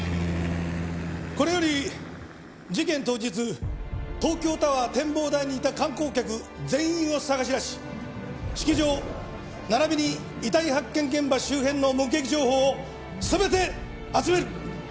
これより事件当日東京タワー展望台にいた観光客全員を捜し出し式場ならびに遺体発見現場周辺の目撃情報を全て集める。